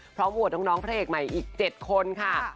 พร้อมวัดต้องน้องพระเอกใหม่อีก๗คนค่ะ